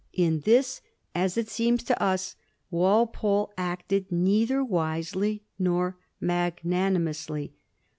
In this, as it seems to us, Walpole acted neither wisely nor magnani mously.